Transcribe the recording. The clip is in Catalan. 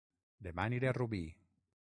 Dema aniré a Rubí